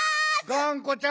がんこちゃん